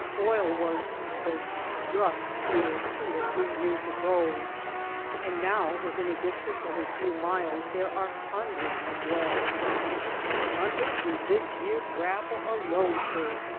Oil was "struck" here two or three years ago, and now within a distance of a few miles there are hundreds of wells "two hun'rd in this yere gravel alone, sir!"